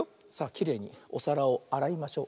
きれいにおさらをあらいましょう。